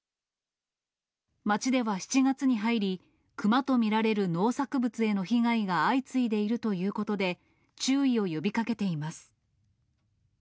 町では７月に入り、クマと見られる農作物への被害が相次いでいるということで、注意を呼びかけています。